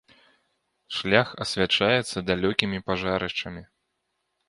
Шлях асвячаецца далёкімі пажарышчамі.